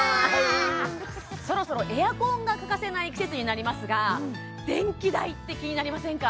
そろそろエアコンが欠かせない季節になりますが電気代って気になりませんか？